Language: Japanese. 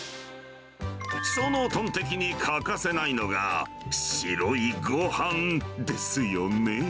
そのトンテキに欠かせないのが、白いごはんですよね。